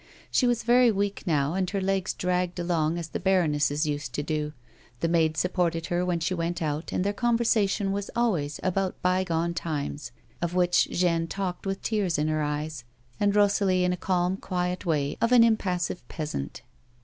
She was very weak now, and her legs dragged along as the baroness's used to do ; the maid supported her when she went out and their conversation was always about bygone times of which Jeanne talked with tears in her eyes, and Rosalie in the calm quiet way of an impassive peasant.